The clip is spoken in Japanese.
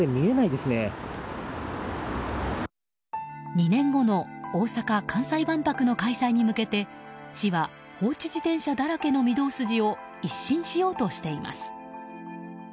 ２年後の大阪・関西万博の開催に向けて、市は放置自転車だらけの御堂筋を一新しようとしています。